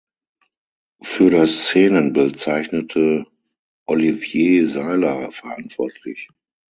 Für das Szenenbild zeichnete Olivier Seiler verantwortlich.